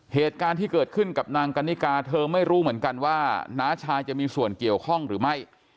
เหตุการณ์ที่เกิดขึ้นกับนางกันนิกาเธอไม่รู้เหมือนกันว่าน้าชายจะมีส่วนเกี่ยวข้องหรือไม่